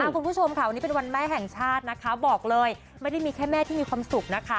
คุณผู้ชมค่ะวันนี้เป็นวันแม่แห่งชาตินะคะบอกเลยไม่ได้มีแค่แม่ที่มีความสุขนะคะ